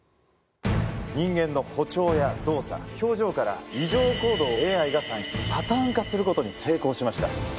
人間の歩調や動作、表情から異常行動をＡＩが算出しパターン化することに成功しました。